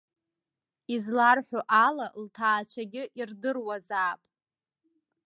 Изларҳәо ала лҭаацәагьы ирдыруазаап.